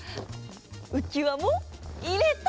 うきわもいれた！